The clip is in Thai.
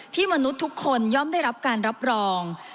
มนุษย์ทุกคนย่อมได้รับการรับรอง